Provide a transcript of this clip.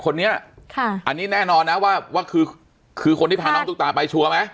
คนนี้ค่ะอันนี้แน่นอนนะว่าคือคือคนที่พาน้องตุ๊กตาไปชัวร์ไหม